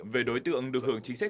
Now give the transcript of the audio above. về đối tượng được hưởng chính sách